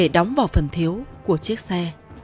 đóng vào phần thiếu của chiếc xe